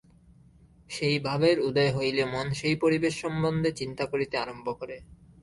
সেই ভাবের উদয় হইলে মন সেই পরিবেশ সম্বন্ধে চিন্তা করিতে আরম্ভ করে।